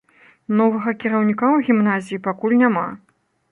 Новага кіраўніка ў гімназіі пакуль няма.